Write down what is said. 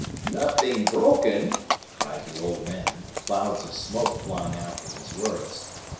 "Nothing broken," cried the old man, clouds of smoke flying out with his words.